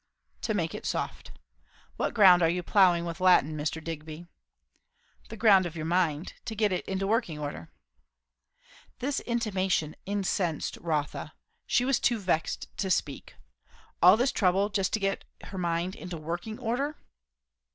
"To make it soft. What ground are you ploughing with Latin, Mr. Digby?" "The ground of your mind; to get it into working order." This intimation incensed Rotha. She was too vexed to speak. All this trouble just to get her mind into working order?